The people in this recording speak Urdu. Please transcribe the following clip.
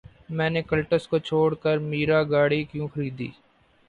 میں نے کلٹس کو چھوڑ کر میرا گاڑی کیوں خریدی